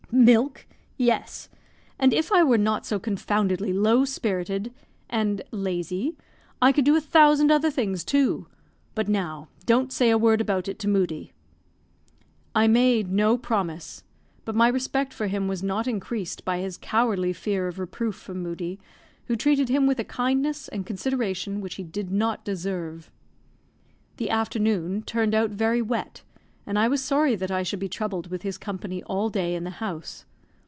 "Milk! Yes; and if I were not so confoundedly low spirited and lazy, I could do a thousand other things too. But now, don't say a word about it to Moodie." I made no promise; but my respect for him was not increased by his cowardly fear of reproof from Moodie, who treated him with a kindness and consideration which he did not deserve. The afternoon turned out very wet, and I was sorry that I should be troubled with his company all day in the house.